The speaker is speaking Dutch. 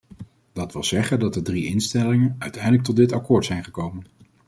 Dat wil zeggen dat de drie instellingen uiteindelijk tot dit akkoord zijn gekomen.